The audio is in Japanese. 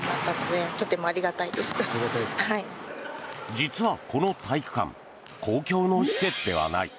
実はこの体育館公共の施設ではない。